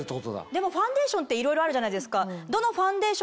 でもファンデーションっていろいろあるじゃないですか。